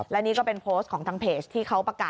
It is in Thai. และนี่ก็เป็นโพสต์ของทางเพจที่เขาประกาศ